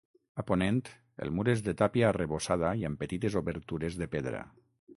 A ponent el mur és de tàpia arrebossada i amb petites obertures de pedra.